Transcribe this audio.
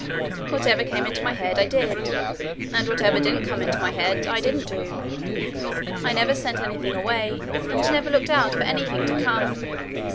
Whatever came into my head I did, and whatever didn't come into my head I didn't do. I never sent anything away, and never looked out for anything to come.